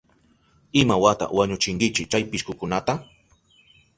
¿Imawata wañuchinkichi chay pishkukunata?